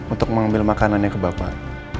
untuk mengambil makanannya ke bapak